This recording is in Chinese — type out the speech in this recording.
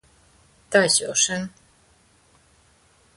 大学生